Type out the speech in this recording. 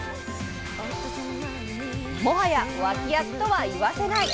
もはや脇役とは言わせない！